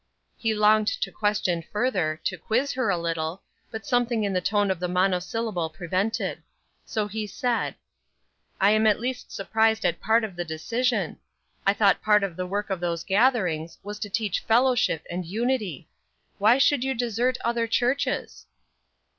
He longed to question further, to quiz her a little, but something in the tone of the monosyllable prevented. So he said: "I am at least surprised at part of the decision. I thought part of the work of those gatherings was to teach fellowship and unity. Why should you desert other churches?"